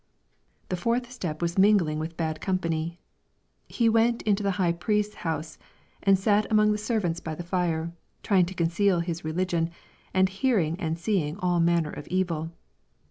— The fourth step was mingling with bad com pany. He went into the high priest's house anJ sat among the servants by the fire, trying to conceal his re ligion, and hearing and seeing all manner of evil.